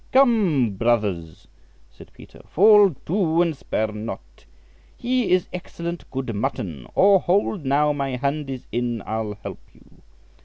"Come, brothers," said Peter, "fall to, and spare not; here is excellent good mutton ; or hold, now my hand is in, I'll help you."